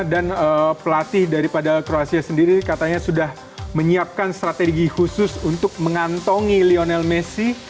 dan pelatih daripada kruasia sendiri katanya sudah menyiapkan strategi khusus untuk mengantongi lionel messi